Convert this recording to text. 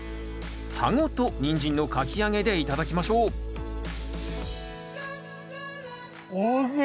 葉ごとニンジンのかき揚げで頂きましょうおいしい！